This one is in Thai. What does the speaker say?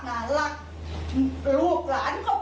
น่ารักลูกหลานเขาไว้